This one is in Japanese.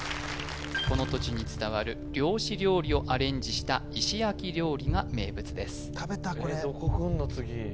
この土地に伝わる漁師料理をアレンジした石焼料理が名物ですどこくんの次？